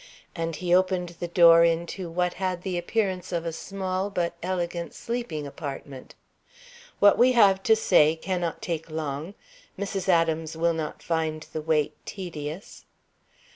And he opened the door into what had the appearance of a small but elegant sleeping apartment. "What we have to say cannot take long. Mrs. Adams will not find the wait tedious."